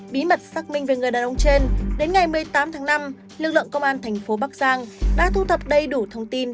bí mật xác minh về người đàn ông trên đến ngày một mươi tám tháng năm lực lượng công an thành phố bắc giang đã thu thập đầy đủ thông tin